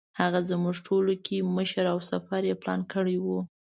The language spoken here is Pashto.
هغه زموږ ټولو کې مشر او سفر یې پلان کړی و.